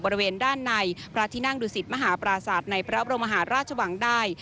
บริเวณด้านในพระที่นั่งดูสิตมหาปราศาสตร์ในพระบรมหาราชวังได้